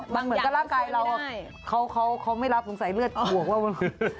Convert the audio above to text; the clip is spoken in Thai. บางอย่างก็ร่างกายเราเขาไม่รับสงสัยเลือดปลวกว่ามัน